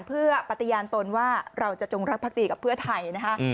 เพื่อปฏิญาณตนว่าเราจะจงรักภักดีกับเพื่อไทยนะคะ